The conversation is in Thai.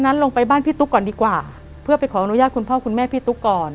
ลงไปบ้านพี่ตุ๊กก่อนดีกว่าเพื่อไปขออนุญาตคุณพ่อคุณแม่พี่ตุ๊กก่อน